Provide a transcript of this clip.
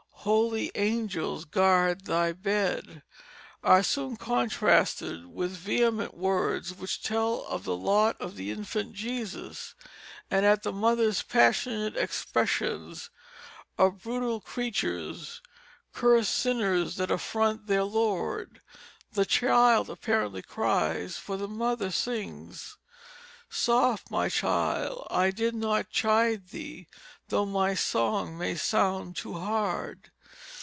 Holy angels guard thy bed," are soon contrasted with the vehement words which tell of the lot of the infant Jesus; and at the mother's passionate expressions of "brutal creatures," "cursed sinners," that "affront their Lord," the child apparently cries, for the mother sings: "Soft, my child, I did not chide thee, Though my song may sound too hard."